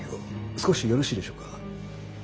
少しよろしいでしょうか？